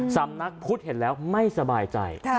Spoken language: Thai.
สำนักพุทธเห็นแล้วไม่สบายใจ